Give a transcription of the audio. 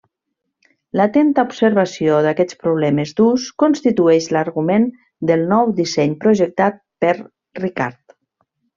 L'atenta observació d'aquests problemes d'ús constitueix l'argument del nou disseny projectat per Ricard.